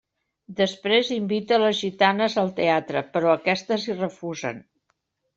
Després invita les gitanes al teatre, però aquestes hi refusen.